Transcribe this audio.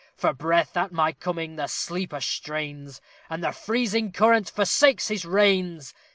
For breath, at my coming, the sleeper strains, And the freezing current forsakes his veins!